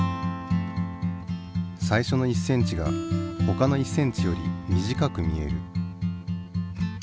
最初の１ｃｍがほかの１ｃｍより短く見える。